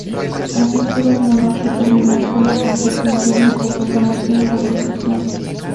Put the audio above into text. Así pudo el monarca terminar con el conflicto interno y gobernar sin oposición.